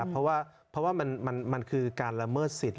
เพราะว่ามันคือการละเมิดสิทธ